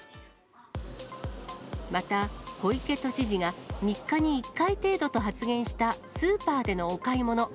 また、小池都知事が、３日に１回程度と発言したスーパーでのお買い物。